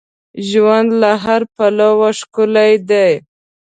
ژوند له هر پلوه ښکلی دی.